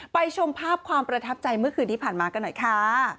ชมภาพความประทับใจเมื่อคืนที่ผ่านมากันหน่อยค่ะ